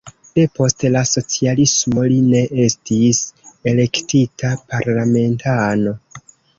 Depost la socialismo li ne estis elektita parlamentano.